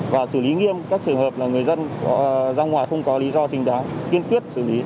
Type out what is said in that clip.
và xử lý nghiêm các trường hợp là người dân ra ngoài không có lý do chính đáng kiên quyết xử lý